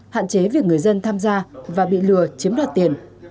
hạn chế việc người dân tham gia và bị lừa chiếm đoạt tiền